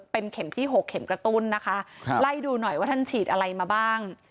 เป็นเข็มที่๖เข็มกระตุ้นนะคะไล่ดูหน่อยว่าท่านฉีดอะไรมาบ้าง